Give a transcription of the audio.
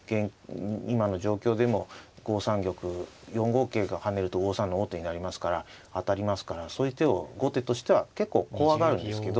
今の状況でも５三玉４五桂が跳ねると５三の王手になりますから当たりますからそういう手を後手としては結構怖がるんですけど